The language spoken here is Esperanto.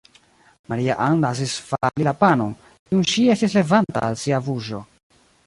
Maria-Ann lasis fali la panon, kiun ŝi estis levanta al sia buŝo.